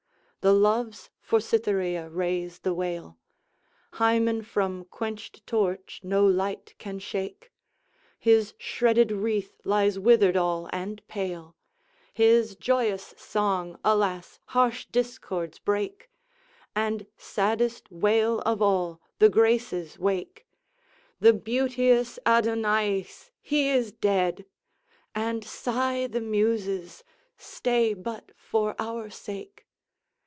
The Loves for Cytherea raise the wail. Hymen from quenched torch no light can shake. His shredded wreath lies withered all and pale; His joyous song, alas, harsh discords break! And saddest wail of all, the Graces wake; "The beauteous Adonaïs! He is dead!" And sigh the Muses, "Stay but for our sake!"